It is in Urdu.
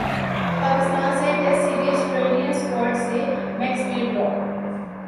پاکستان سے ٹیسٹ سیریز سٹریلین اسکواڈ سے میکسویل ڈراپ